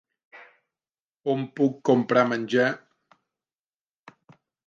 On puc comprar menjar?